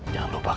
jangan lupa kak